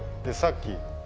でさっき。